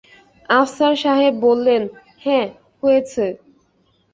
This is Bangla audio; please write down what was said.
আফসার সাহেব বললেন, হ্যাঁ, হয়েছে।